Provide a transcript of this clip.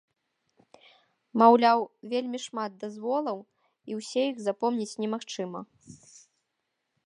Маўляў, вельмі шмат дазволаў і ўсе іх запомніць немагчыма.